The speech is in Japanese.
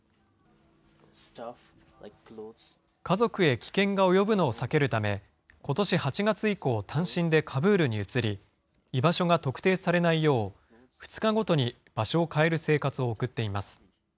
家族へ危険が及ぶのを避けるため、ことし８月以降、単身でカブールに移り、居場所が特定されないよう、２日ごとに場所を変える生活を送っています。